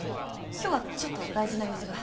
今日はちょっと大事な用事が。